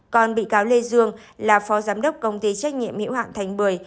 còn bị cáo lê dương là phó giám đốc công ty trách nhiệm hiệu hạn thành bưởi